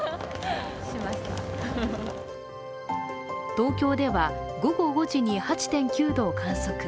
東京では午後５時に８．９度を観測。